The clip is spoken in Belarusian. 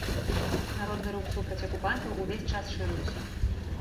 Народны рух супраць акупантаў увесь час шырыўся.